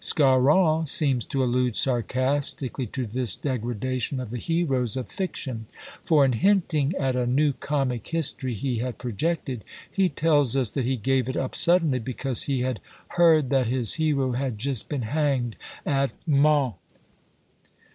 Scarron seems to allude sarcastically to this degradation of the heroes of Fiction: for in hinting at a new comic history he had projected, he tells us that he gave it up suddenly because he had "heard that his hero had just been hanged at Mans."